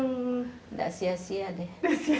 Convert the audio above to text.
gak sia sia deh